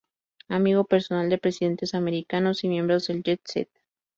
Amigo personal de presidentes americanos y miembros del Jet set.